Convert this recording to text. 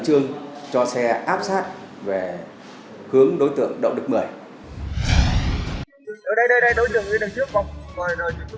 trương cho xe áp sát về hướng đối tượng đậu đức mời ở đây